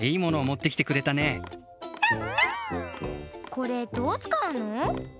これどうつかうの？